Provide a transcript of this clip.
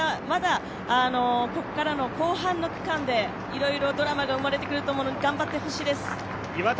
ただ、まだまだここからの後半の区間でいろいろドラマが生まれてくると思うので頑張ってほしいです。